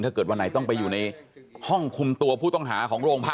จนร่องไห้ตัวเองตีเขา